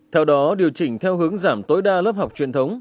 theo đó điều chỉnh theo hướng giảm tối đa lớp học truyền thống